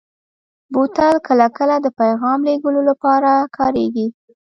بوتل کله کله د پیغام لېږلو لپاره کارېږي.